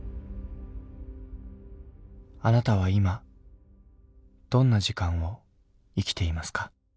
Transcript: あなたは今どんな時間を生きていますか？